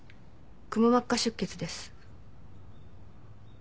くも膜下出血です。